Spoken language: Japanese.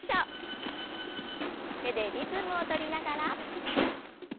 手でリズムを取りながら。